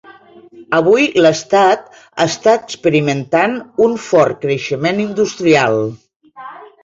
Avui l'estat està experimentant un fort creixement industrial.